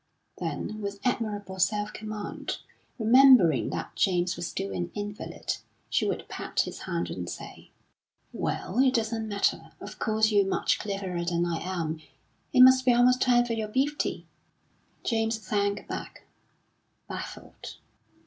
Then with admirable self command, remembering that James was still an invalid, she would pat his hand and say: "Well, it doesn't matter. Of course, you're much cleverer than I am. It must be almost time for your beef tea." James sank back, baffled.